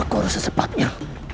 aku harus sesepatnya